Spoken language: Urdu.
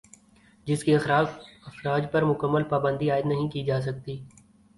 جس کے اخراج پر مکمل پابندی عائد نہیں کی جاسکتی